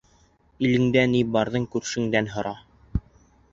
Илендә ни барҙы күршеңдән һора.